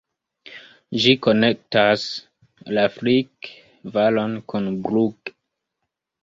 Ĝi konektas la Frick-Valon kun Brugg.